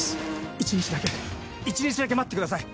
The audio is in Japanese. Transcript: １日だけ１日だけ待ってください！